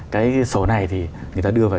cái sổ này thì người ta đưa vào